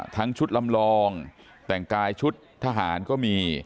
ทั้งชุดลำลองแต่งกายชุดทหารก็มี